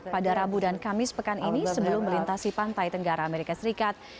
pada rabu dan kamis pekan ini sebelum melintasi pantai tenggara amerika serikat